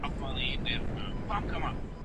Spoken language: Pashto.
که حضوري ټولګي وي، نو وسایل په ځای کي وي.